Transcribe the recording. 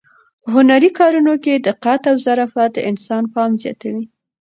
په هنري کارونو کې دقت او ظرافت د انسان پام زیاتوي.